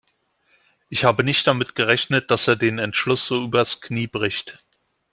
Ich habe nicht damit gerechnet, dass er den Entschluss so übers Knie bricht.